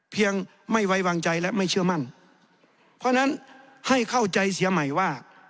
ไม่ไว้วางใจและไม่เชื่อมั่นเพราะฉะนั้นให้เข้าใจเสียใหม่ว่า